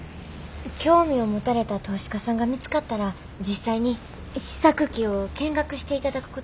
興味を持たれた投資家さんが見つかったら実際に試作機を見学していただくことになると思います。